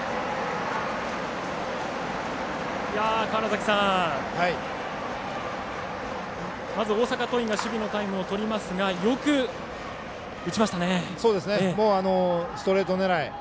川原崎さん、まず大阪桐蔭が守備のタイムをとりますがストレート狙い。